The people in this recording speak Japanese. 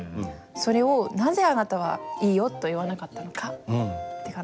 それをなぜあなたはいいよと言わなかったのかって話。